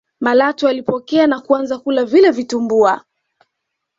malatwe alipokea na kuanza kula vile vitumbua